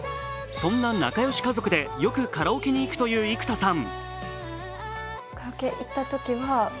そんな仲良し家族でよくカラオケに行くという幾田さん。